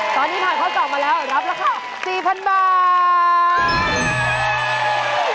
ตอนนี้ผ่านข้อ๒มาแล้วรับราคา๔๐๐๐บาท